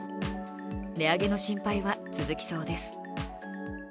値上げの心配が続きそうです。